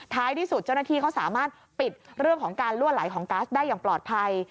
ที่สุดเจ้าหน้าที่เขาสามารถปิดเรื่องของการลั่วไหลของก๊าซได้อย่างปลอดภัย